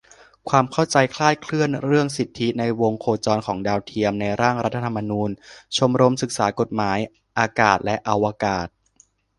ความเข้าใจคลาดเคลื่อนเรื่องสิทธิในวงโคจรของดาวเทียมในร่างรัฐธรรมนูญ - ชมรมศึกษากฎหมายอากาศและอวกาศ